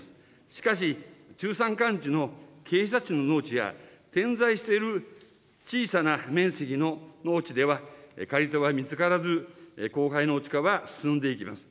しかし、中山間地の傾斜地の農地や、点在している小さな面積の農地では、借り手は見つからず、荒廃農地化は進んでいきます。